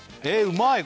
うまい